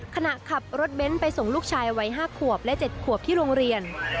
ขณะขับรถเบ้นไปส่งลูกชายวัย๕ขวบและ๗ขวบที่โรงเรียน